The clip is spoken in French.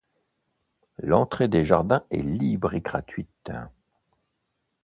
L'entrée des jardins est libre et gratuite.